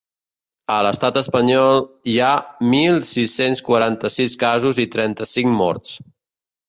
A l’estat espanyol hi ha mil sis-cents quaranta-sis casos i trenta-cinc morts.